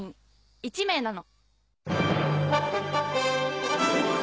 １名なの。